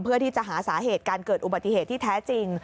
เพื่อที่จะหาสาเหตุการเกิดอุบัติเหตุที่แท้จริง